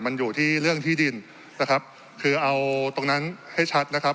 มันอยู่ที่เรื่องที่ดินนะครับคือเอาตรงนั้นให้ชัดนะครับ